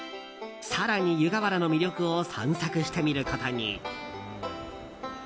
更に、湯河原の魅力を散策してみることに。